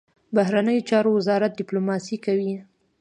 بهرنیو چارو وزارت ډیپلوماسي کوي